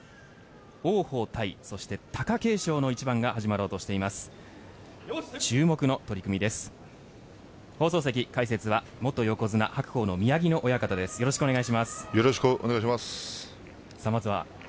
王鵬対、そして貴景勝の一番が始まろうとしています。